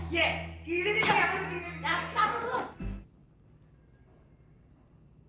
ye ini di kamar dulu